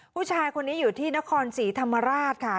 ผู้ชายคนนี้อยู่ที่นครศรีธรรมราชค่ะ